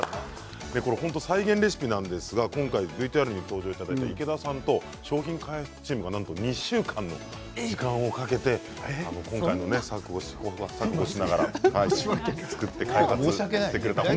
再現レシピなんですがＶＴＲに登場いただいた池田さんと商品開発チームの皆さんが２週間かけて試行錯誤しながら作って、開発してくれました。